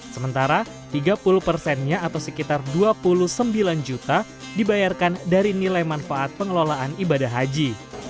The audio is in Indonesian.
sementara tiga puluh persennya atau sekitar dua puluh sembilan juta dibayarkan dari nilai manfaat pengelolaan ibadah haji